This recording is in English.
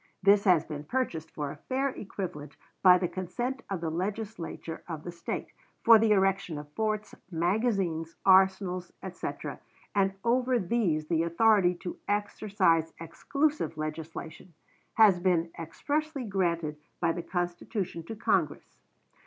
This has been purchased for a fair equivalent 'by the consent of the Legislature of the State,' 'for the erection of forts, magazines, arsenals,' etc., and over these the authority 'to exercise exclusive legislation' has been expressly granted by the Constitution to Congress.